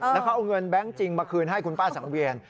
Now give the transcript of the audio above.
แล้วเขาเอาเงินแบงค์จริงมาคืนให้คุณป้าสังเวียน